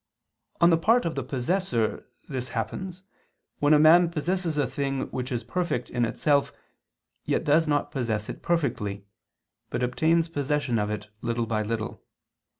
On the part of the possessor, this happens when a man possesses a thing which is perfect in itself, yet does not possess it perfectly, but obtains possession of it little by little.